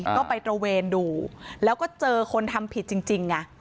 ก็ไปตระเวนดูแล้วก็เจอคนทำผิดจริงไง